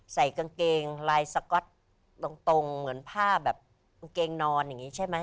ใส่กางเกงลายสก๊อตตรงเหมือนผ้าแบบกางเกงนอนอย่างนี้ใช่ไหม